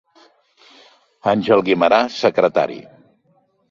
Àngel Guimerà, secretari.